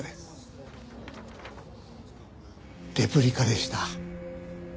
レプリカでした。